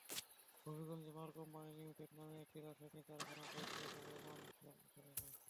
হবিগঞ্জে মার company limited নামে একটি রাসায়নিক কারখানার বর্জ্য প্রবহমান খালে ফেলা হচ্ছে।